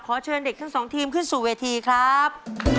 เชิญเด็กทั้งสองทีมขึ้นสู่เวทีครับ